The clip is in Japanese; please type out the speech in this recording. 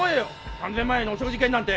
３０００万円のお食事券なんて！